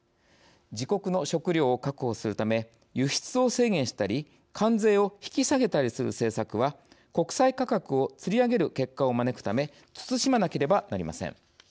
自国の食糧を確保するため輸出を制限したり関税を引き下げたりする政策は国際価格をつり上げる結果を招くため慎まなければなりません。